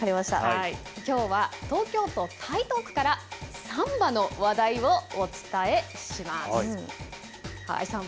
きょうは東京都台東区からサンバの話題をお伝えします。